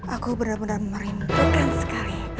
aku benar benar merindukan sekali